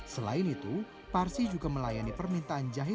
selain itu parsi juga melayani permintaan jual masker